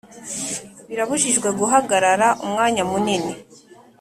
Birabujijwe guhagarara umwanya munini